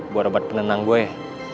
buat obat penenang gue